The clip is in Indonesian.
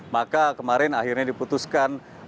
maka kemarin akhirnya diputuskan